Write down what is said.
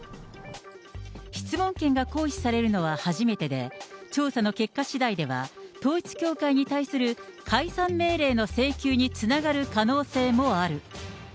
質問権が行使されるのは初めてで、調査の結果しだいでは、統一教会に対する解散命令の請求につながる可能性もある。